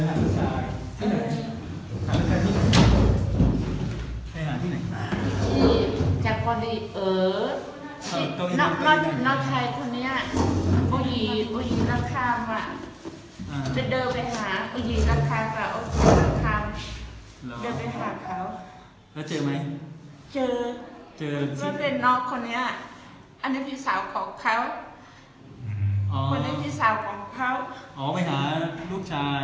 ในเกี่ยวเที่ยวจะไปหาลูกชาย